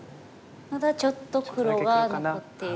まだちょっと黒が残っている。